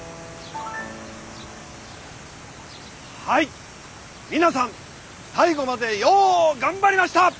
はい皆さん最後までよう頑張りました。